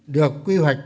được quy hoạch